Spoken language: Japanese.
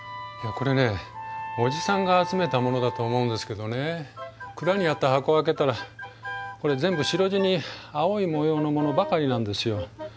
これね叔父さんが集めたものだと思うんですけどね蔵にあった箱を開けたらこれ全部白地に青い模様のものばかりなんですよ。